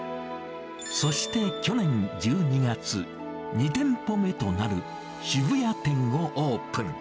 そして去年１２月、２店舗目となる渋谷店をオープン。